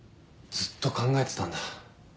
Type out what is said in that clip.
ずっと考えてたんだ。